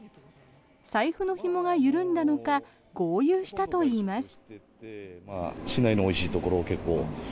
財布のひもが緩んだのか豪遊したといいます。